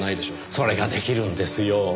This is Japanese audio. それが出来るんですよ。